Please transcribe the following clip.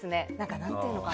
何ていうのかな。